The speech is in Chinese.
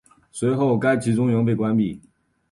随后该集中营被关闭。